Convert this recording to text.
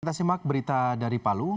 kita simak berita dari palu